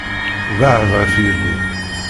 Beεεed ɣef yelli!